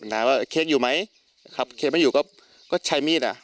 น้าว่าเค้กอยู่ไหมนะครับเค้กไม่อยู่ก็ก็ใช้มีดอ่ะ